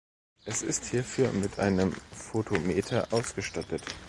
Es ist hierfür mit einem Photometer ausgestattet.